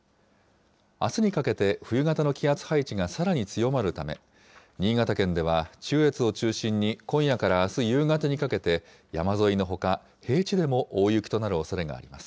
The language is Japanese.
あすにかけて冬型の気圧配置がさらに強まるため、新潟県では中越を中心に今夜からあす夕方にかけて、山沿いのほか、平地でも大雪となるおそれがあります。